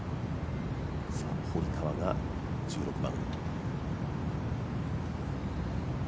堀川が１６番。